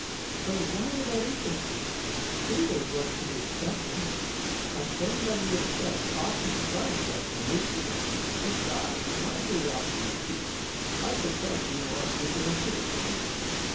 "But why should that interest you? Surely it was to be expected." "A thing that we expect often surprises us when we see it. Besides, my curiosity is piqued. I suspect you of keeping a secret from me."